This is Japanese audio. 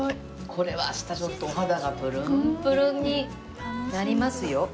これは明日ちょっとお肌がプルンプルンになりますよ。